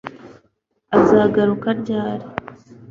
Azagaruka ryari